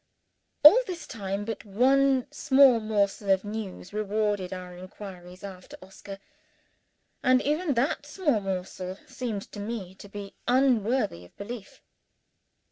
All this time but one small morsel of news rewarded our inquiries after Oscar and even that small morsel seemed to me to be unworthy of belief.